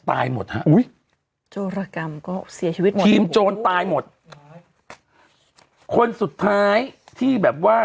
หมดฮะอุ้ยโจรกรรมก็เสียชีวิตหมดทีมโจรตายหมดคนสุดท้ายที่แบบว่า